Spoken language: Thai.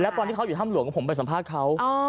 ตอนที่เขาอยู่ถ้ำหลวงผมไปสัมภาษณ์เขา